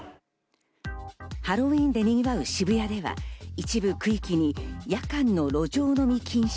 ハロウィーンでにぎわう渋谷では一部区域に夜間の路上飲み禁止。